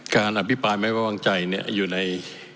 การอธิบายแม้ว่าวางใจเนี่ยอยู่ใน